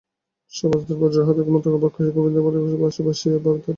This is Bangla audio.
সভাসদেরা বজ্রাহতের মতো অবাক হইয়া রহিল, গোবিন্দমাণিক্যও বসিয়া ভাবিতে লাগিলেন।